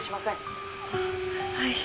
あっはい。